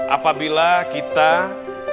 apabila kita ingin mengajar allah